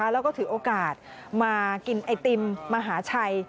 แล้วก็ถือโอกาสมากินไอติมมหาชัย